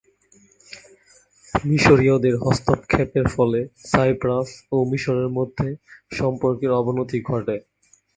মিশরীয়দের হস্তক্ষেপের ফলে সাইপ্রাস ও মিশরের মধ্যে সম্পর্কের অবনতি ঘটে।